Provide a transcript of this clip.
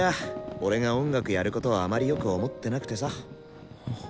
俺が音楽やることをあまりよく思ってなくてさ。